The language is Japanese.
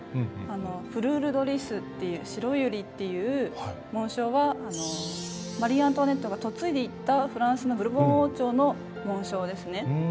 フルール・ド・リスっていう白百合っていう紋章はマリー・アントワネットが嫁いでいったフランスのブルボン王朝の紋章ですね。